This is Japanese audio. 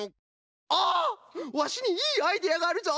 ワシにいいアイデアがあるぞ！